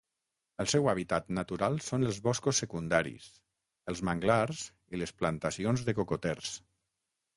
El seu hàbitat natural són els boscos secundaris, els manglars i les plantacions de cocoters.